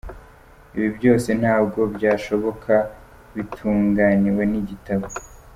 Ibi byose ntabwo byashoboka bitunganiwe n’igitabo.